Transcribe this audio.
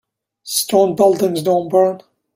Stone buildings don't burn.